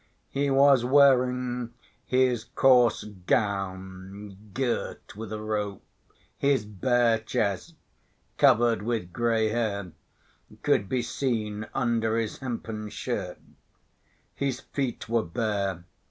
He was wearing his coarse gown girt with a rope. His bare chest, covered with gray hair, could be seen under his hempen shirt. His feet were bare.